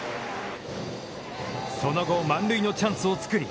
その後、満塁のチャンスを作り。